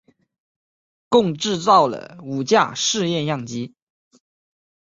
共制造了五架试验样机。